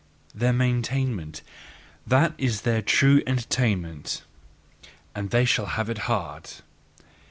Their maintainment that is their true entertainment; and they shall have it hard!